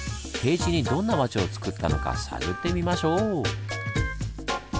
低地にどんな町をつくったのか探ってみましょう！